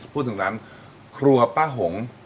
พูดถึงร้านครัวป้าหง